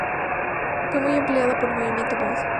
Fue muy empleada por el movimiento mod.